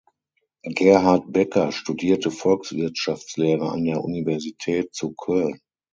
Gerhard Bäcker studierte Volkswirtschaftslehre an der Universität zu Köln.